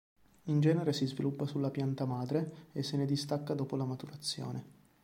In genere si sviluppa sulla pianta madre e se ne distacca dopo la maturazione.